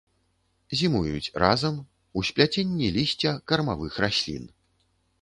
Зімуюць разам у спляценні лісця кармавых раслін.